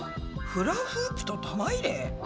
フラフープと玉入れ？